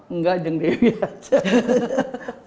enggak jeng dewi aja